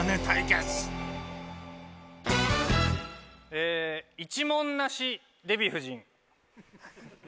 ええ一文無しデヴィ夫人。